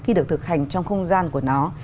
khi được thực hành trong không gian của nó